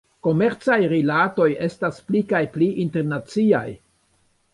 Komercaj rilatoj estas pli kaj pli internaciaj.